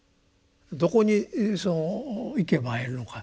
どこに行けば会えるのか